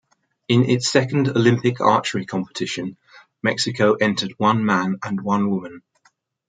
In its second Olympic archery competition, Mexico entered one man and one woman.